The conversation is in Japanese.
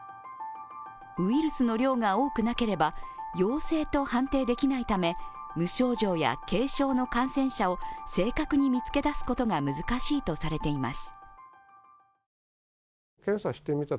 ウイルスの量が多くなければ陽性と判定できないため無症状や軽症の感染者を正確に見つけ出すことが難しいとされています。